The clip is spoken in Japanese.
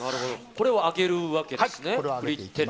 これを揚げるわけですね。